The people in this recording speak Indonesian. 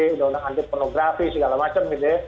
undang undang anti pornografi segala macam gitu ya